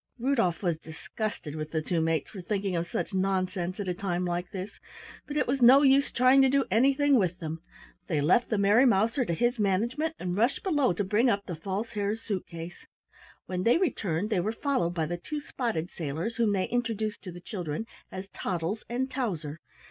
Rudolf was disgusted with the two mates for thinking of such nonsense at a time like this, but it was no use trying to do anything with them. They left the Merry Mouser to his management, and rushed below to bring up the False Hare's suit case. When they returned they were followed by the two spotted sailors whom they introduced to the children as Toddles and Towser.